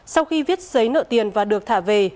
sau khi viết giấy nợ tiền và được thả về